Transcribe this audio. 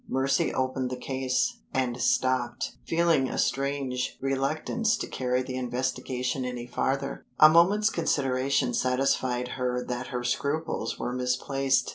Mercy opened the case and stopped, feeling a strange reluctance to carry the investigation any farther. A moment's consideration satisfied her that her scruples were misplaced.